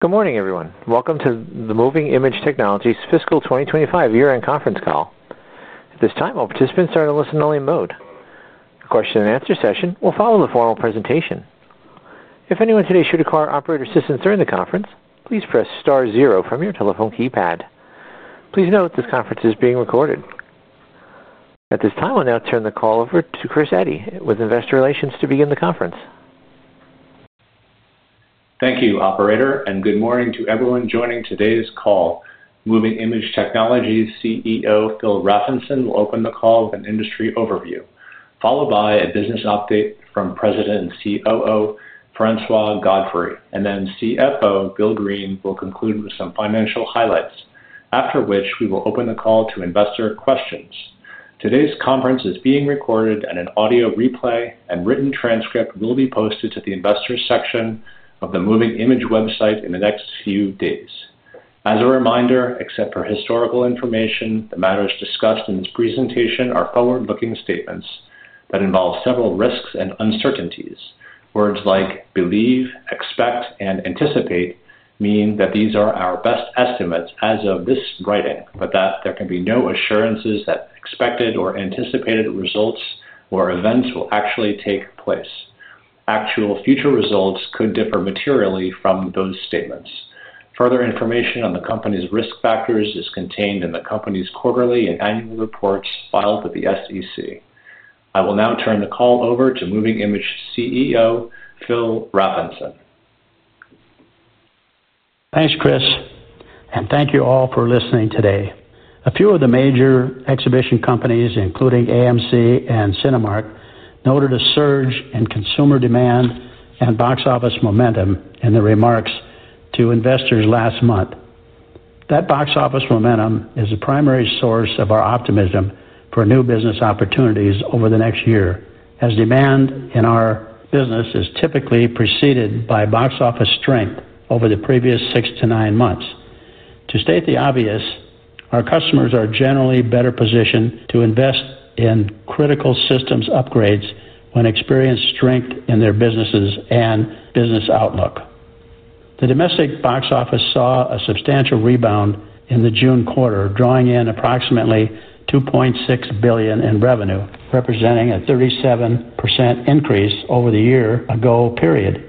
Good morning, everyone. Welcome to the Moving iMage Technologies Fiscal 2025 year-end conference call. At this time, all participants are in a listen-only mode. A question-and-answer session will follow the formal presentation. If anyone today should require operator assistance during the conference, please press *0 from your telephone keypad. Please note this conference is being recorded. At this time, I'll now turn the call over to Chris Eddy with Investor Relations to begin the conference. Thank you, Operator, and good morning to everyone joining today's call. Moving iMage Technologies CEO Philip Rafnson will open the call with an industry overview, followed by a business update from President and COO Francois Godfrey, and then CFO Bill Greene will conclude with some financial highlights, after which we will open the call to investor questions. Today's conference is being recorded, and an audio replay and written transcript will be posted to the investors' section of the Moving iMage Technologies website in the next few days. As a reminder, except for historical information, the matters discussed in this presentation are forward-looking statements that involve several risks and uncertainties. Words like "believe," "expect," and "anticipate" mean that these are our best estimates as of this writing, but that there can be no assurances that expected or anticipated results or events will actually take place. Actual future results could differ materially from those statements. Further information on the company's risk factors is contained in the company's quarterly and annual reports filed with the SEC. I will now turn the call over to Moving iMage Technologies CEO Philip Rafnson. Thanks, Chris, and thank you all for listening today. A few of the major exhibition companies, including AMC and Cinemark, noted a surge in consumer demand and box office momentum in their remarks to investors last month. That box office momentum is the primary source of our optimism for new business opportunities over the next year, as demand in our business is typically preceded by box office strength over the previous six to nine months. To state the obvious, our customers are generally better positioned to invest in critical systems upgrades when experienced strength in their businesses and business outlook. The domestic box office saw a substantial rebound in the June quarter, drawing in approximately $2.6 billion in revenue, representing a 37% increase over the year-ago period.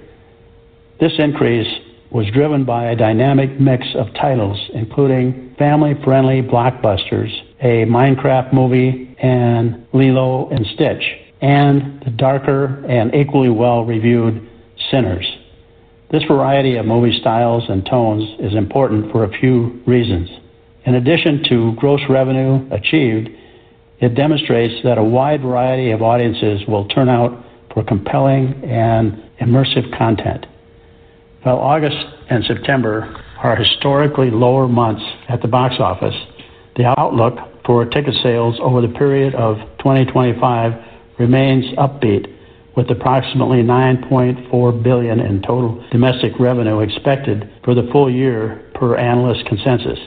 This increase was driven by a dynamic mix of titles, including family-friendly blockbusters, a Minecraft movie, and Lilo & Stitch, and the darker and equally well-reviewed Sinners. This variety of movie styles and tones is important for a few reasons. In addition to gross revenue achieved, it demonstrates that a wide variety of audiences will turn out for compelling and immersive content. While August and September are historically lower months at the box office, the outlook for ticket sales over the period of 2025 remains upbeat, with approximately $9.4 billion in total domestic revenue expected for the full year, per analyst consensus,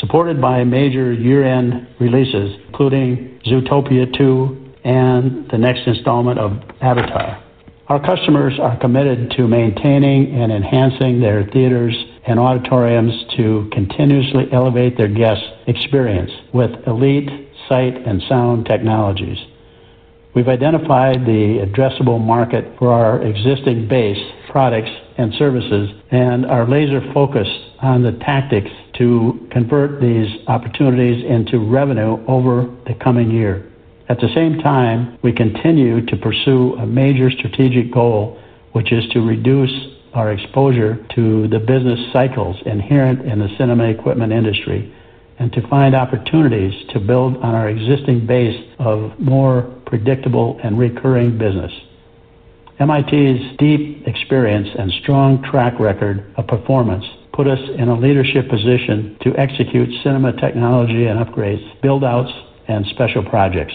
supported by major year-end releases including Zootopia 2 and the next installment of Avatar. Our customers are committed to maintaining and enhancing their theaters and auditoriums to continuously elevate their guest experience with elite sight and sound technologies. We've identified the addressable market for our existing base, products, and services, and are laser-focused on the tactics to convert these opportunities into revenue over the coming year. At the same time, we continue to pursue a major strategic goal, which is to reduce our exposure to the business cycles inherent in the cinema equipment industry and to find opportunities to build on our existing base of more predictable and recurring business. MIT's deep experience and strong track record of performance put us in a leadership position to execute cinema technology and upgrades, build-outs, and special projects.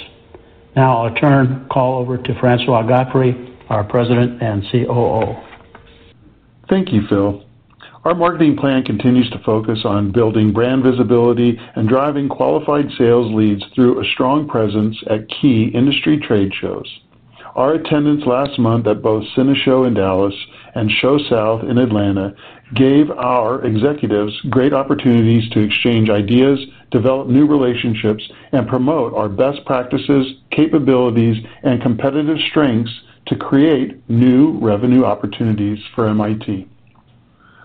Now, I'll turn the call over to Francois Godfrey, our President and COO. Thank you, Phil. Our marketing plan continues to focus on building brand visibility and driving qualified sales leads through a strong presence at key industry trade shows. Our attendance last month at both CineShow in Dallas and ShowSouth in Atlanta gave our executives great opportunities to exchange ideas, develop new relationships, and promote our best practices, capabilities, and competitive strengths to create new revenue opportunities for MIT.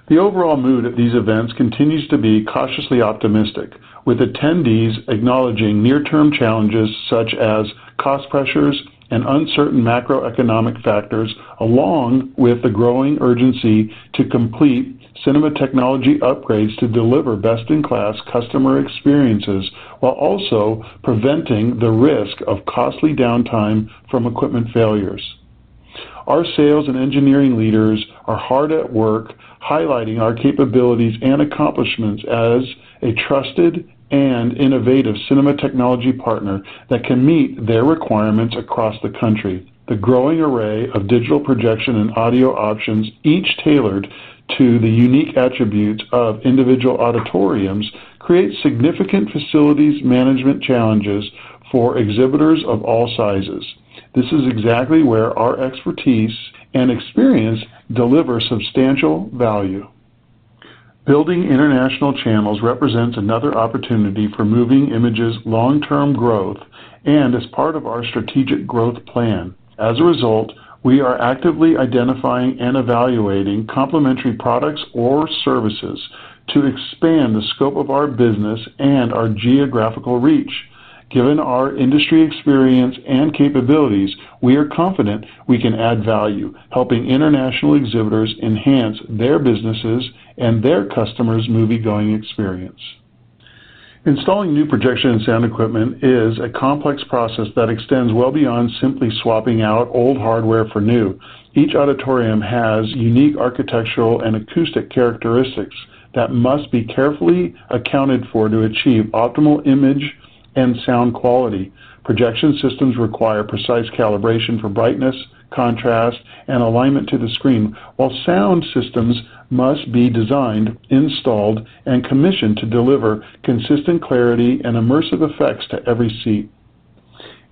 The overall mood at these events continues to be cautiously optimistic, with attendees acknowledging near-term challenges such as cost pressures and uncertain macroeconomic factors, along with the growing urgency to complete cinema technology upgrades to deliver best-in-class customer experiences while also preventing the risk of costly downtime from equipment failures. Our sales and engineering leaders are hard at work highlighting our capabilities and accomplishments as a trusted and innovative cinema technology partner that can meet their requirements across the country. The growing array of digital projection and audio options, each tailored to the unique attributes of individual auditoriums, creates significant facilities management challenges for exhibitors of all sizes. This is exactly where our expertise and experience deliver substantial value. Building international channels represents another opportunity for Moving iMage Technologies' long-term growth and is part of our strategic growth plan. As a result, we are actively identifying and evaluating complementary products or services to expand the scope of our business and our geographical reach. Given our industry experience and capabilities, we are confident we can add value, helping international exhibitors enhance their businesses and their customers' moviegoing experience. Installing new projection and sound equipment is a complex process that extends well beyond simply swapping out old hardware for new. Each auditorium has unique architectural and acoustic characteristics that must be carefully accounted for to achieve optimal image and sound quality. Projection systems require precise calibration for brightness, contrast, and alignment to the screen, while sound systems must be designed, installed, and commissioned to deliver consistent clarity and immersive effects to every seat.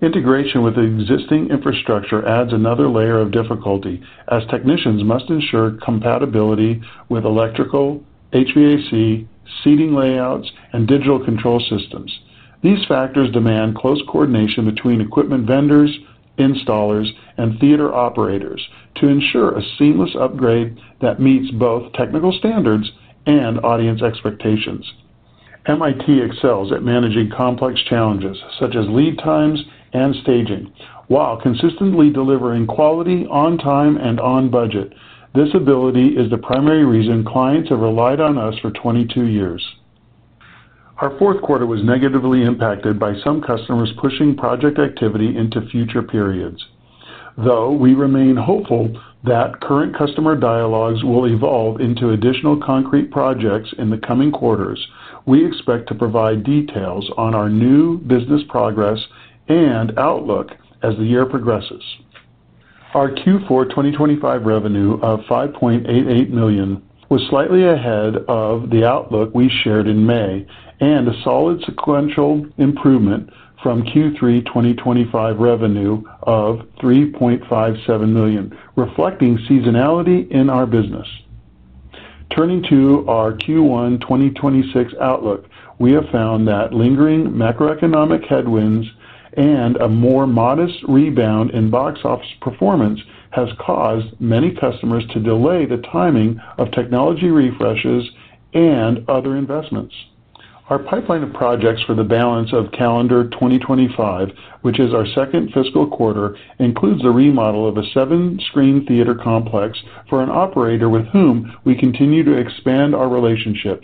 Integration with existing infrastructure adds another layer of difficulty, as technicians must ensure compatibility with electrical, HVAC, seating layouts, and digital control systems. These factors demand close coordination between equipment vendors, installers, and theater operators to ensure a seamless upgrade that meets both technical standards and audience expectations. MIT excels at managing complex challenges such as lead times and staging while consistently delivering quality on time and on budget. This ability is the primary reason clients have relied on us for 22 years. Our fourth quarter was negatively impacted by some customers pushing project activity into future periods. Though we remain hopeful that current customer dialogues will evolve into additional concrete projects in the coming quarters, we expect to provide details on our new business progress and outlook as the year progresses. Our Q4 2025 revenue of $5.88 million was slightly ahead of the outlook we shared in May, and a solid sequential improvement from Q3 2025 revenue of $3.57 million, reflecting seasonality in our business. Turning to our Q1 2026 outlook, we have found that lingering macroeconomic headwinds and a more modest rebound in box office performance have caused many customers to delay the timing of technology refreshes and other investments. Our pipeline of projects for the balance of calendar 2025, which is our second fiscal quarter, includes the remodel of a seven-screen theater complex for an operator with whom we continue to expand our relationship.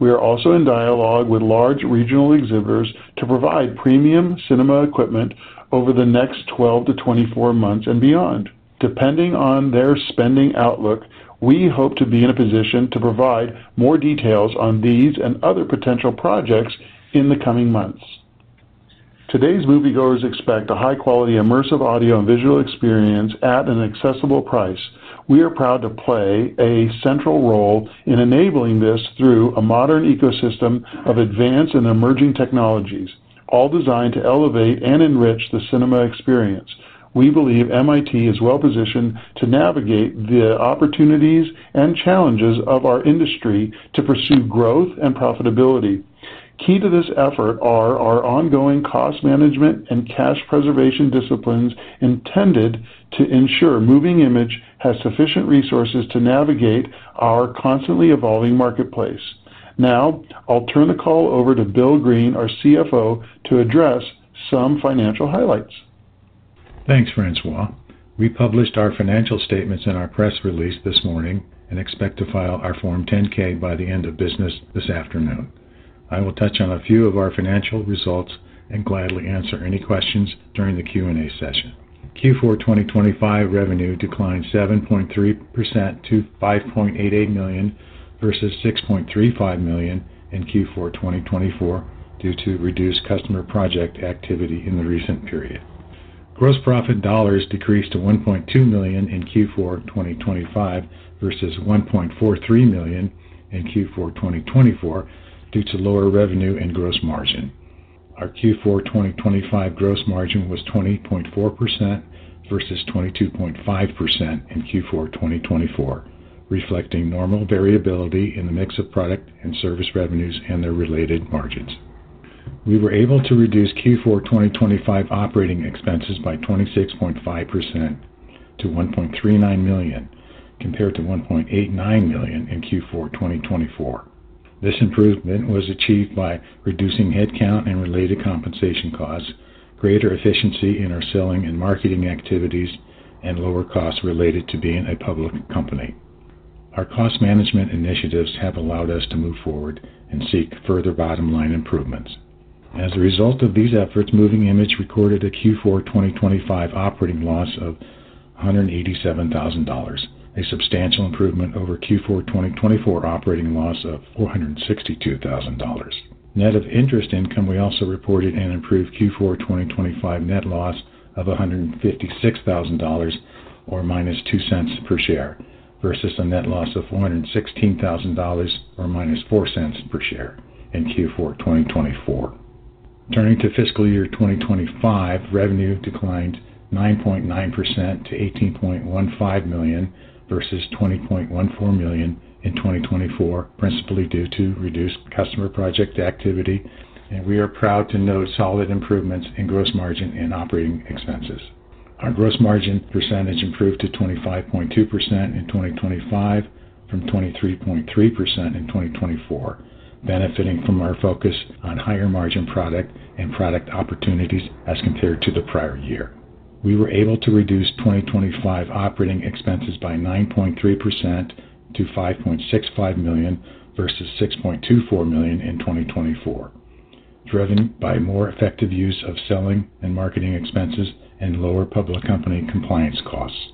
We are also in dialogue with large regional exhibitors to provide premium cinema equipment over the next 12 to 24 months and beyond. Depending on their spending outlook, we hope to be in a position to provide more details on these and other potential projects in the coming months. Today's moviegoers expect a high-quality, immersive audio and visual experience at an accessible price. We are proud to play a central role in enabling this through a modern ecosystem of advanced and emerging technologies, all designed to elevate and enrich the cinema experience. We believe MIT is well-positioned to navigate the opportunities and challenges of our industry to pursue growth and profitability. Key to this effort are our ongoing cost management and cash preservation disciplines intended to ensure Moving iMage Technologies has sufficient resources to navigate our constantly evolving marketplace. Now, I'll turn the call over to Bill Greene, our CFO, to address some financial highlights. Thanks, Francois. We published our financial statements in our press release this morning and expect to file our Form 10-K by the end of business this afternoon. I will touch on a few of our financial results and gladly answer any questions during the Q&A session. Q4 2025 revenue declined 7.3% to $5.88 million versus $6.35 million in Q4 2024 due to reduced customer project activity in the recent period. Gross profit dollars decreased to $1.2 million in Q4 2025 versus $1.43 million in Q4 2024 due to lower revenue and gross margin. Our Q4 2025 gross margin was 20.4% versus 22.5% in Q4 2024, reflecting normal variability in the mix of product and service revenues and their related markets. We were able to reduce Q4 2025 operating expenses by 26.5% to $1.39 million compared to $1.89 million in Q4 2024. This improvement was achieved by reducing headcount and related compensation costs, greater efficiency in our selling and marketing activities, and lower costs related to being a public company. Our cost management initiatives have allowed us to move forward and seek further bottom-line improvements. As a result of these efforts, Moving iMage Technologies recorded a Q4 2025 operating loss of $187,000, a substantial improvement over Q4 2024 operating loss of $462,000. Net of interest income, we also reported an improved Q4 2025 net loss of $156,000 or minus $0.02 per share versus a net loss of $416,000 or minus $0.04 per share in Q4 2024. Turning to fiscal year 2025, revenue declined 9.9% to $18.15 million versus $20.14 million in 2024, principally due to reduced customer project activity, and we are proud to note solid improvements in gross margin and operating expenses. Our gross margin percentage improved to 25.2% in 2025 from 23.3% in 2024, benefiting from our focus on higher margin product and product opportunities as compared to the prior year. We were able to reduce 2025 operating expenses by 9.3% to $5.65 million versus $6.24 million in 2024, driven by more effective use of selling and marketing expenses and lower public company compliance costs.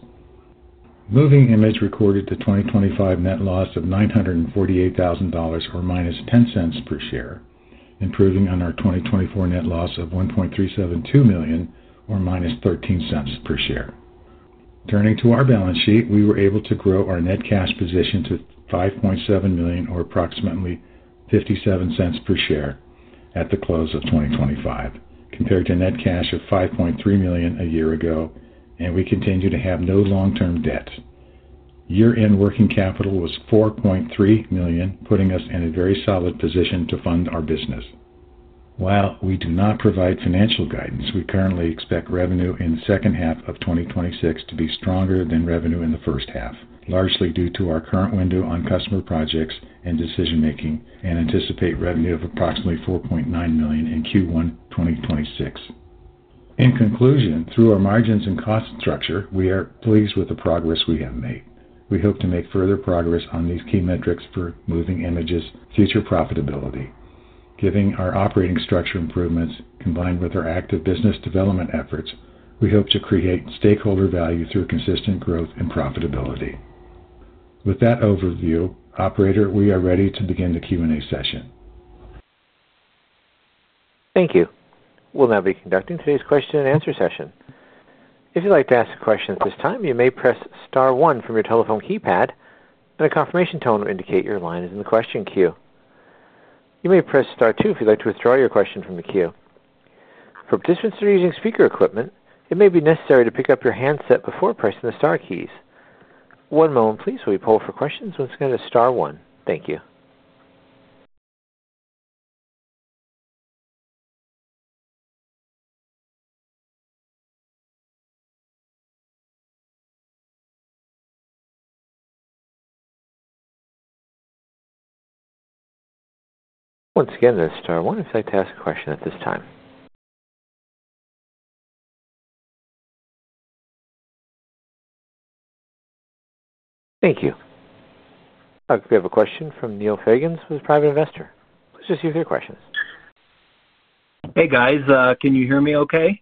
Moving iMage Technologies recorded the 2025 net loss of $948,000 or minus $0.10 per share, improving on our 2024 net loss of $1.372 million or minus $0.13 per share. Turning to our balance sheet, we were able to grow our net cash position to $5.7 million or approximately $0.57 per share at the close of 2025, compared to a net cash of $5.3 million a year ago, and we continue to have no long-term debt. Year-end working capital was $4.3 million, putting us in a very solid position to fund our business. While we do not provide financial guidance, we currently expect revenue in the second half of 2026 to be stronger than revenue in the first half, largely due to our current window on customer projects and decision-making, and anticipate revenue of approximately $4.9 million in Q1 2026. In conclusion, through our margins and cost structure, we are pleased with the progress we have made. We hope to make further progress on these key metrics for Moving iMage Technologies' future profitability. Given our operating structure improvements, combined with our active business development efforts, we hope to create stakeholder value through consistent growth and profitability. With that overview, Operator, we are ready to begin the Q&A session. Thank you. We'll now be conducting today's question-and-answer session. If you'd like to ask a question at this time, you may press *1 from your telephone keypad, and a confirmation tone will indicate your line is in the question queue. You may press *2 if you'd like to withdraw your question from the queue. For participants who are using speaker equipment, it may be necessary to pick up your handset before pressing the * key. One moment, please, while we poll for questions. Once again, it's *1. Thank you. Once again, that's *1 if you'd like to ask a question at this time. Thank you. We have a question from Neil Fagans with a private investor. Let's see if you have questions. Hey, guys. Can you hear me OK?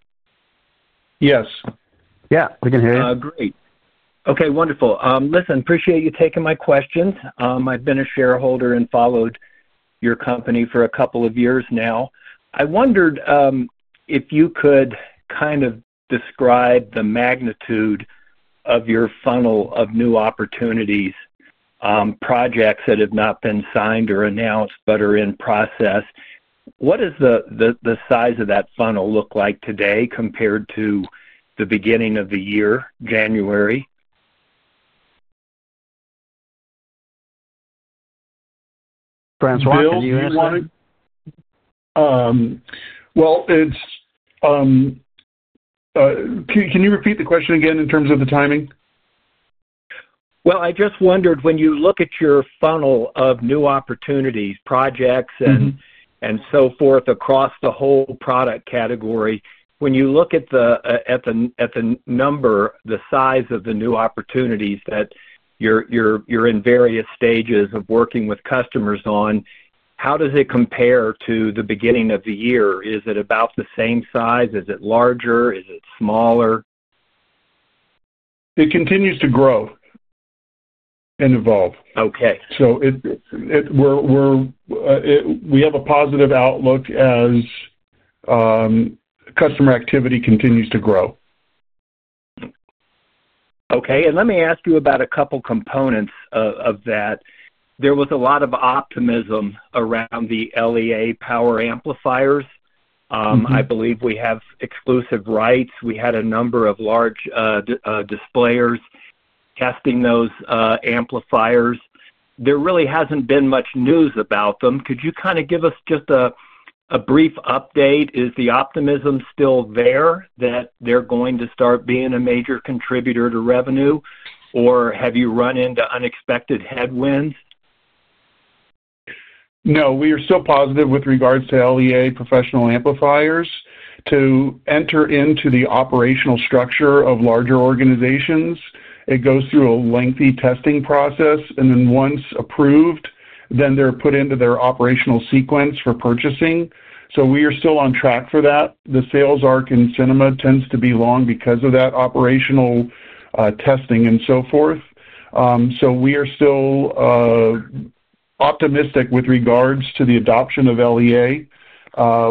Yes. Yeah, we can hear you. Great. OK, wonderful. I appreciate you taking my questions. I've been a shareholder and followed your company for a couple of years now. I wondered if you could kind of describe the magnitude of your funnel of new opportunities, projects that have not been signed or announced but are in process. What does the size of that funnel look like today compared to the beginning of the year, January? Francois, can you answer? Can you repeat the question again in terms of the timing? I just wondered, when you look at your funnel of new opportunities, projects, and so forth across the whole product category, when you look at the number, the size of the new opportunities that you're in various stages of working with customers on, how does it compare to the beginning of the year? Is it about the same size? Is it larger? Is it smaller? It continues to grow and evolve. OK. We have a positive outlook as customer activity continues to grow. OK. Let me ask you about a couple of components of that. There was a lot of optimism around the LEA professional power amplifiers. I believe we have exclusive rights. We had a number of large displayers testing those amplifiers. There really hasn't been much news about them. Could you kind of give us just a brief update? Is the optimism still there that they're going to start being a major contributor to revenue? Have you run into unexpected headwinds? No, we are still positive with regards to LEA professional power amplifiers. To enter into the operational structure of larger organizations, it goes through a lengthy testing process. Once approved, they're put into their operational sequence for purchasing. We are still on track for that. The sales arc in cinema tends to be long because of that operational testing and so forth. We are still optimistic with regards to the adoption of LEA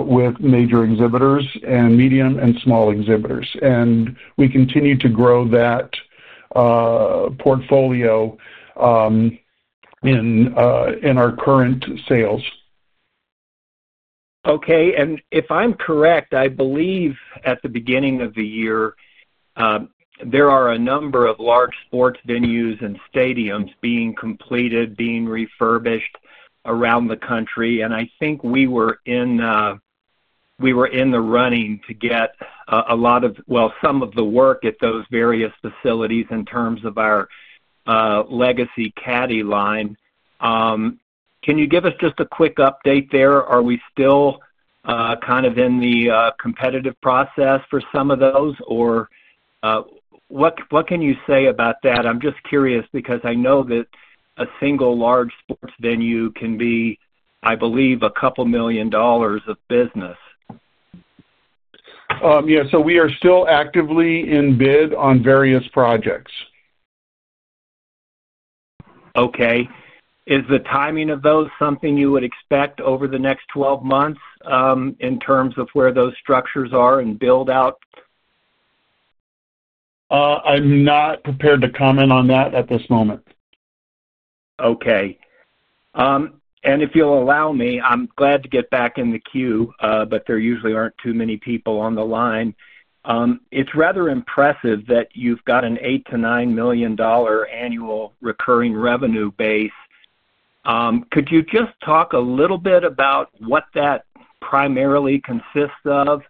with major exhibitors and medium and small exhibitors. We continue to grow that portfolio in our current sales. OK. If I'm correct, I believe at the beginning of the year, there are a number of large sports venues and stadiums being completed, being refurbished around the country. I think we were in the running to get a lot of, well, some of the work at those various facilities in terms of our legacy E-Caddy line. Can you give us just a quick update there? Are we still kind of in the competitive process for some of those? What can you say about that? I'm just curious because I know that a single large sports venue can be, I believe, a couple million dollars of business. Yeah, we are still actively in bid on various projects. OK. Is the timing of those something you would expect over the next 12 months in terms of where those structures are and build-out? I'm not prepared to comment on that at this moment. OK. If you'll allow me, I'm glad to get back in the queue, but there usually aren't too many people on the line. It's rather impressive that you've got an $8 to $9 million annual recurring revenue base. Could you just talk a little bit about what that primarily consists of?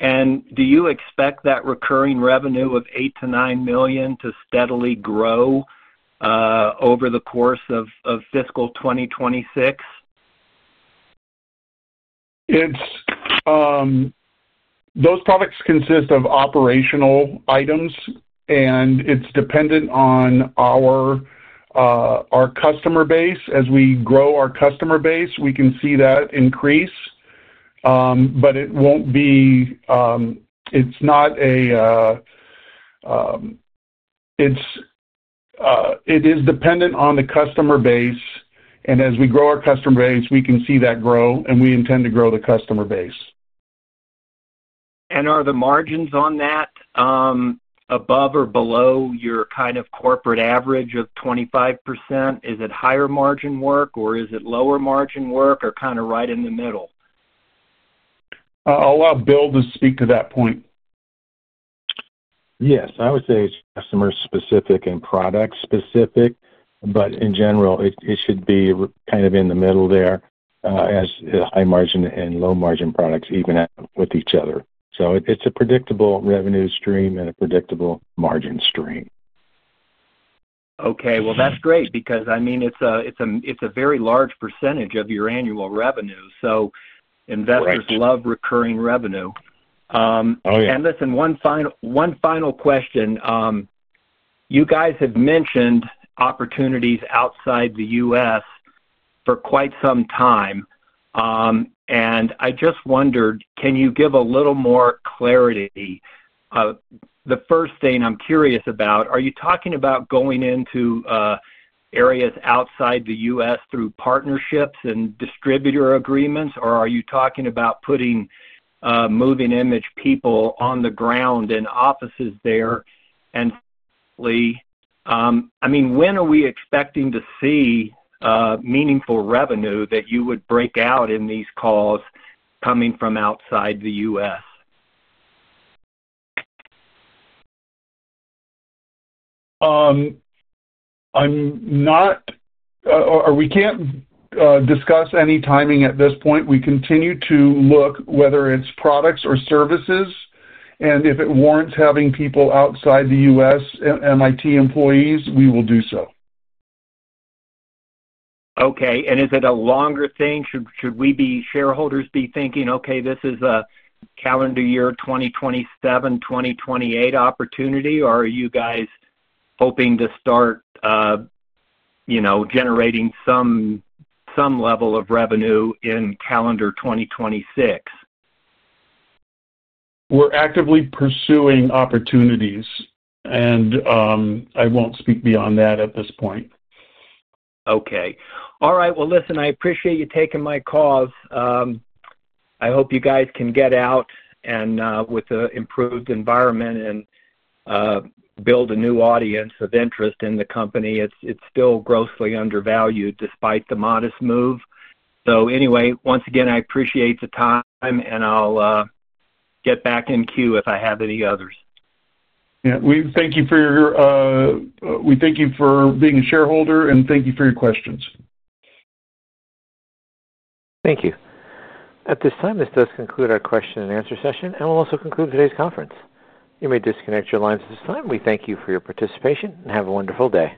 Do you expect that recurring revenue of $8 to $9 million to steadily grow over the course of fiscal 2026? Those products consist of operational items, and it's dependent on our customer base. As we grow our customer base, we can see that increase. It is dependent on the customer base. As we grow our customer base, we can see that grow, and we intend to grow the customer base. Are the margins on that above or below your kind of corporate average of 25%? Is it higher margin work, or is it lower margin work, or kind of right in the middle? I'll allow Bill Greene to speak to that point. Yes, I would say it's customer-specific and product-specific. In general, it should be kind of in the middle there as high margin and low margin products even with each other. It's a predictable revenue stream and a predictable margin stream. OK, that's great because, I mean, it's a very large % of your annual revenue. Investors love recurring revenue. Oh, yeah. Listen, one final question. You guys have mentioned opportunities outside the U.S. for quite some time. I just wondered, can you give a little more clarity? The first thing I'm curious about, are you talking about going into areas outside the U.S. through partnerships and distributor agreements, or are you talking about putting Moving iMage Technologies people on the ground in offices there? I mean, when are we expecting to see meaningful revenue that you would break out in these calls coming from outside the U.S.? We can't discuss any timing at this point. We continue to look whether it's products or services. If it warrants having people outside the U.S., MIT employees, we will do so. Is it a longer thing? Should we as shareholders be thinking, OK, this is a calendar year 2027 or 2028 opportunity? Are you guys hoping to start generating some level of revenue in calendar 2026? We're actively pursuing opportunities, and I won't speak beyond that at this point. All right. I appreciate you taking my call. I hope you guys can get out with an improved environment and build a new audience of interest in the company. It's still grossly undervalued despite the modest move. Once again, I appreciate the time, and I'll get back in queue if I have any others. Thank you for being a shareholder, and thank you for your questions. Thank you. At this time, this does conclude our question-and-answer session, and we'll also conclude today's conference. You may disconnect your lines at this time. We thank you for your participation and have a wonderful day.